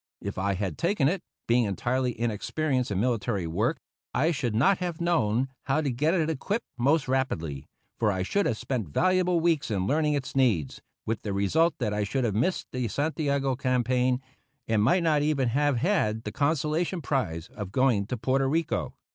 If I had taken it, being entirely inexperienced in military work, I should not have known how to get it equipped most rapidly, for I should have spent valuable weeks in learning its needs, with the result that I should have missed the Santiago campaign, and might not even have had the consolation prize of going to Porto Rico.